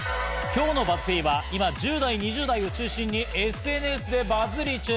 今日のＢＵＺＺ−Ｐは今、１０代、２０代を中心にＳＮＳでバズり中。